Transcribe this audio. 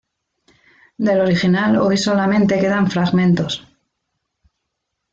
Del original hoy solamente quedan fragmentos.